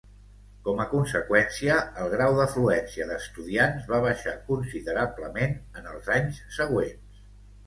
Com a conseqüència, el grau d'afluència d'estudiants va baixar considerablement en els anys següents.